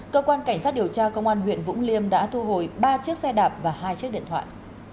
cơ quan cảnh sát điều tra công an huyện vũng liêm đã thu hồi ba chiếc xe đạp và hai chiếc điện thoại